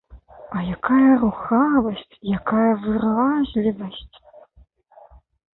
А якая рухавасць, якая выразлівасць!